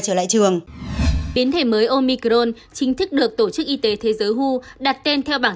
trở lại trường biến thể mới omicrone chính thức được tổ chức y tế thế giới hu đặt tên theo bảng